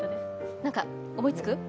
何か思いつく？